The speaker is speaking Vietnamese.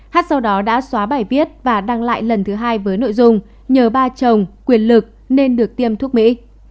hát sau đó đã xóa bài viết và đăng lại lần thứ hai với nội dung nhờ ba chồng quyền lực nên được tiêm thuốc mỹ